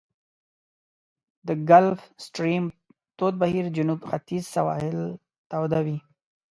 د ګلف ستریم تود بهیر جنوب ختیځ سواحل توده وي.